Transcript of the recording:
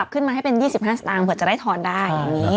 ปัดขึ้นมาให้เป็น๒๕สตางค์เผื่อจะได้ถอนได้